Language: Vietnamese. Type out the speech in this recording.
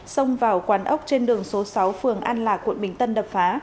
xông vào quán ốc trên đường số sáu phường an lạc quận bình tân đập phá